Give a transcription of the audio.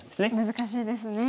難しいですね。